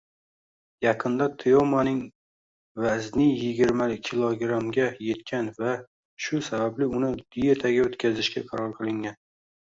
Yaqinda Tyomaning vazniyigirmakilogrammga yetgan va shu sababli uni diyetaga o‘tkazishga qaror qilingan